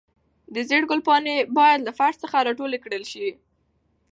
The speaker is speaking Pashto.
د زېړ ګل پاڼې باید له فرش څخه راټولې کړل شي.